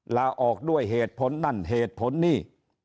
ลาออกด้วยเหตุผลนั่นเหตุผลนี่